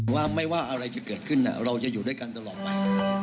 ว่าไม่ว่าอะไรจะเกิดขึ้นเราจะอยู่ด้วยกันตลอดไป